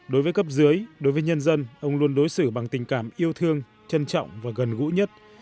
đối với cấp dưới đối với nhân dân ông luôn đối xử bằng tình cảm yêu thương trân trọng và gần gũi nhất